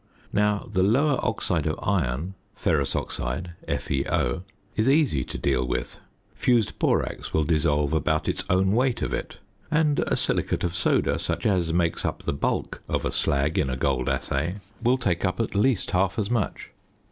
Now, the lower oxide of iron (ferrous oxide, FeO) is easy to deal with; fused borax will dissolve about its own weight of it, and a silicate of soda (such as makes up the bulk of a slag in a gold assay) will take up at least half as much.